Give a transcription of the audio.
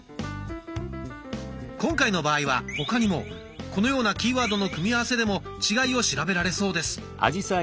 今回の場合は他にもこのようなキーワードの組み合わせでも違いを調べられそうです。